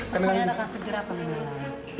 pesan erahkan segera kamila